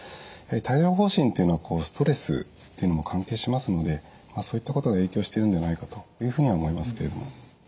帯状ほう疹っていうのはストレスっていうのも関係しますのでそういったことが影響してるのではないかというふうに思いますけれども。